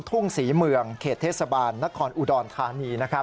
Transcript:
ทุ่งสี่เมืองเฑทเทศบาลนะครออุดอนฆานี